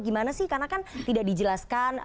gimana sih karena kan tidak dijelaskan